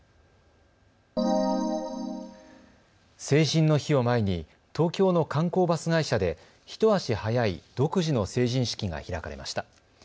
成人の日を前に東京の観光バス会社で一足早い独自の成人式が開かれました。